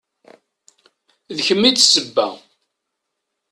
D kem i d sseba.